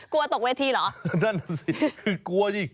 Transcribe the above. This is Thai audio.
กลัวตกเวทีเหรอนั่นแหละสิ